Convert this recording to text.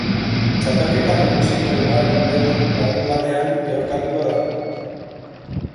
Txapelketa nagusiko bigarren dema larunbatean jokatuko da.